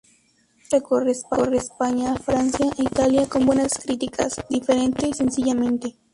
El dúo recorre España, Francia e Italia con buenas críticas ""Diferente, sencillamente.